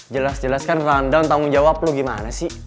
jelas jelas kan rundown tanggung jawab lo gimana sih